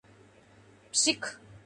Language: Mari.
Пшик...